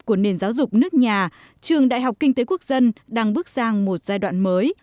của nền giáo dục nước nhà trường đại học kinh tế quốc dân đang bước sang một giai đoạn mới